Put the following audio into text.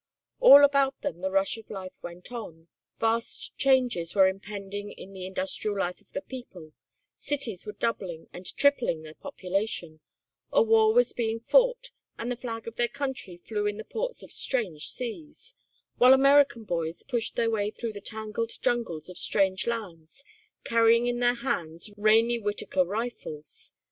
All about them the rush of life went on, vast changes were impending in the industrial life of the people, cities were doubling and tripling their population, a war was being fought, and the flag of their country flew in the ports of strange seas, while American boys pushed their way through the tangled jungles of strange lands carrying in their hands Rainey Whittaker rifles.